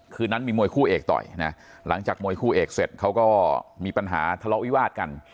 คืนนั้นมีมวยคู่เอกต่อยนะหลังจากมวยคู่เอกเสร็จเขาก็มีปัญหาทะเลาะวิวาดกัน